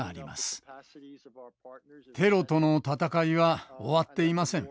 「テロとの戦い」は終わっていません。